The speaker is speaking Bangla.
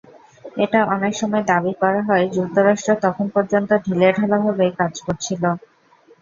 এটা অনেক সময় দাবি করা হয়, যুক্তরাষ্ট্র তখন পর্যন্ত ঢিলেঢালাভাবেই কাজ করছিল।